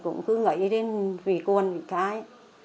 cũng cứ nghĩ đến vì cuồn vì cái